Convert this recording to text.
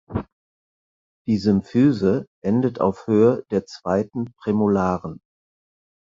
Die Symphyse endete auf Höhe des zweiten Prämolaren.